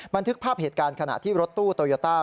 บันทึกภาพเหตุการณ์ขณะที่รถตู้โตโยต้า